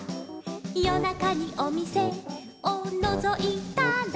「よなかにおみせをのぞいたら」